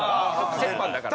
折半だからね。